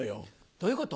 どういうこと？